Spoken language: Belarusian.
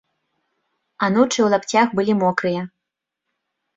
Анучы ў лапцях былі мокрыя.